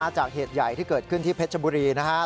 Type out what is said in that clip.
จากเหตุใหญ่ที่เกิดขึ้นที่เพชรบุรีนะครับ